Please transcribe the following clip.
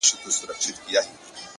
کوټي ته درځمه گراني”